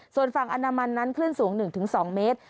ส่วนฝั่งอนามันนั้นคลื่นสูง๑๒เมตร